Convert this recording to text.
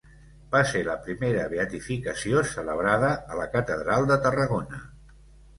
Va ser la primera beatificació celebrada a la Catedral de Tarragona.